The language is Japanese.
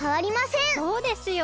そうですよ！